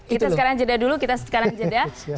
kita sekarang jeda dulu kita sekarang jeda